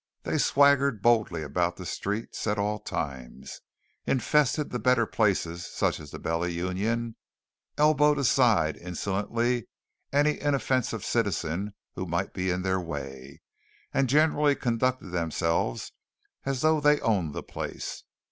They swaggered boldly about the streets at all times, infested the better places such as the Bella Union, elbowed aside insolently any inoffensive citizen who might be in their way, and generally conducted themselves as though they owned the place.